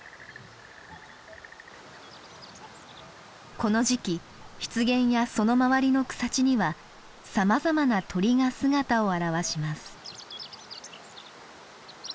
この時期湿原やその周りの草地にはさまざまな鳥が姿を現します。